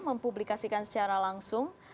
mempublikasikan secara langsung